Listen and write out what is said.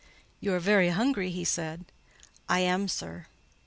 "You are very hungry," he said. "I am, sir."